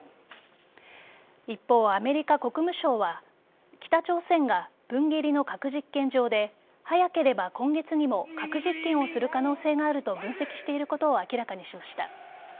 一方、アメリカ国務省は北朝鮮がプンゲリの核実験場で早ければ今月にも核実験をする可能性があると分析していることを明らかにしました。